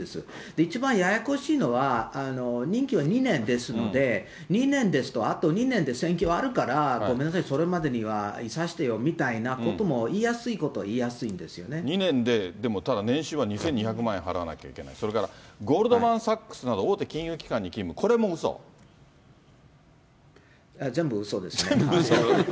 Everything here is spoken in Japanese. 一番ややこしいのは、任期は２年ですので、２年ですと、あと２年で選挙あるから、ごめんなさい、それまではいさせてよみたいなことも言いやすいことは言いやすい２年で、ただでも年収は２２００万円払わなきゃいけない、これからゴールドマン・サックスなど、大手金融機関に勤務、これ全部うそですね。